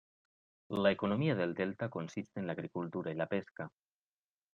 La economía del delta consiste en la agricultura y la pesca.